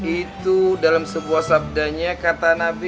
itu dalam sebuah sabdanya kata nabi